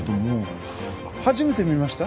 初めて見ました？